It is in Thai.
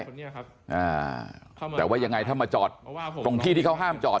เนี่ยครับอ่าแต่ว่ายังไงถ้ามาจอดตรงที่ที่เขาห้ามจอด